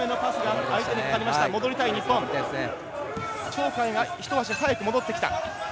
鳥海が一足早く戻ってきた。